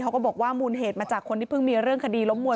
เขาก็บอกว่ามูลเหตุมาจากคนที่เพิ่งมีเรื่องคดีล้มมวย